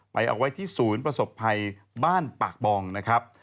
เอาไว้ที่ศูนย์ประสบภัยบ้านปากบองนะครับ